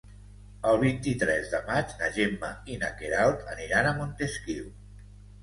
El vint-i-tres de maig na Gemma i na Queralt aniran a Montesquiu.